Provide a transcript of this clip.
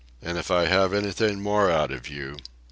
And if I have anything more out of you